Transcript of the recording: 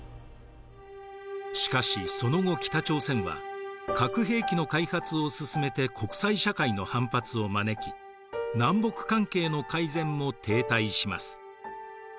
しかしその後北朝鮮は核兵器の開発を進めて国際社会の反発を招き南北関係の改善も停滞します。